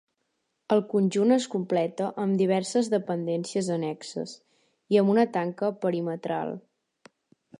El conjunt es completa amb diverses dependències annexes, i amb una tanca perimetral.